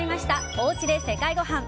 おうちで世界ごはん。